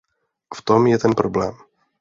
A v tom je ten problém.